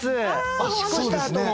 おしっこしたあとの。